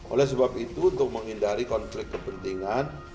oleh sebab itu untuk menghindari konflik kepentingan